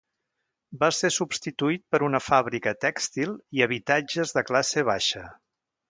Va ser substituït per una fàbrica tèxtil i habitatges de classe baixa.